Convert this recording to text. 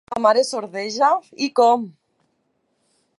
La teva mare sordeja, i com!